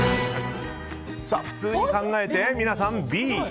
普通に考えて、皆さんＢ。